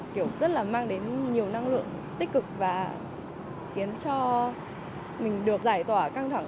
kiểu rất là mang đến nhiều năng lượng tích cực và khiến cho mình được giải tỏa căng thẳng